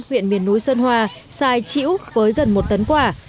huyện miền núi sơn hòa xài chịu với gần một tấn quả